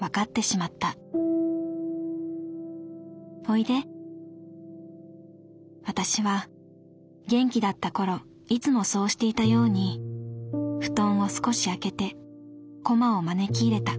『おいで』私は元気だった頃いつもそうしていたように布団を少し空けてコマを招き入れた。